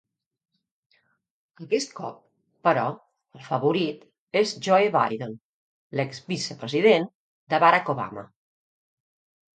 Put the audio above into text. Aquest cop, però, el favorit és Joe Biden, l'exvicepresident de Barack Obama.